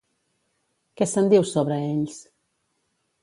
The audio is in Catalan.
Què se'n diu sobre ells?